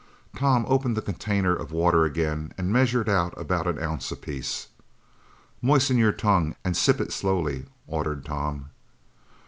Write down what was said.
Tom opened the container of water again and measured out about an ounce apiece. "Moisten your tongue, and sip it slowly," ordered Tom.